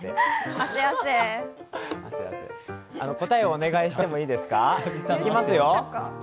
答えをお願いしてもいいですか？